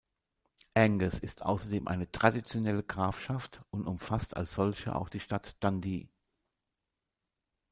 Angus ist außerdem eine traditionelle Grafschaft und umfasst als solche auch die Stadt Dundee.